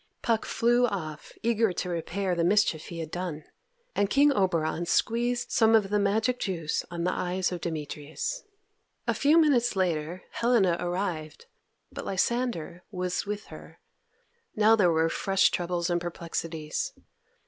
Puck flew off, eager to repair the mischief he had done, and King Oberon squeezed some of the magic juice on the eyes of Demetrius. A few minutes later Helena arrived, but Lysander was with her. Now there were fresh troubles and perplexities.